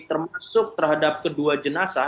termasuk terhadap kedua jenasa